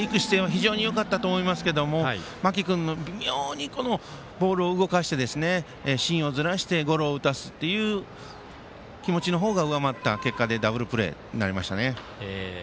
非常によかったと思いますけども間木君の微妙にボールを動かして芯をずらしてゴロを打たすっていう気持ちのほうが上回った結果でダブルプレーになりましたね。